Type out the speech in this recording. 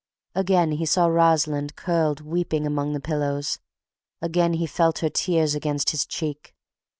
Again he saw Rosalind curled weeping among the pillows, again he felt her tears against his cheek.